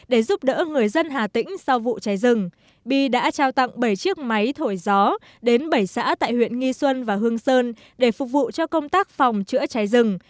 để giúp đỡ người dân hà tĩnh sau vụ cháy rừng bi đã trao tặng bảy chiếc máy thổi gió đến bảy xã tại huyện nghi xuân và hương sơn để phục vụ cho công tác phòng chữa cháy rừng